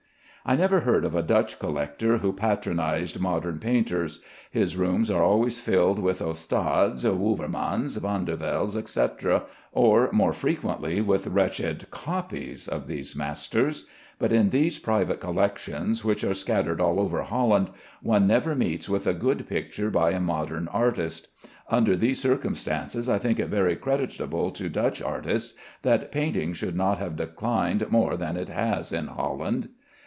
I never heard of a Dutch collector who patronized modern painters. His rooms are always filled with Ostades, Wouvermans, Vanderveldes, etc., or more frequently with wretched copies of these masters; but in these private collections, which are scattered all over Holland, one never meets with a good picture by a modern artist. Under these circumstances I think it very creditable to Dutch artists that painting should not have declined more than it has in Holland.